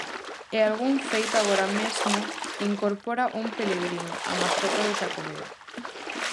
E algún feito agora mesmo incorpora un Pelegrín, a mascota do Xacobeo.